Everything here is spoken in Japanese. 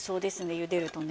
ゆでるとね。